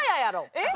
えっ？